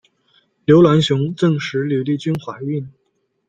刘銮雄证实吕丽君怀孕。